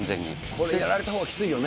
これ、やられたほうはきついよね。